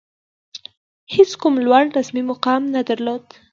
هېڅ کوم لوړ رسمي مقام نه درلود.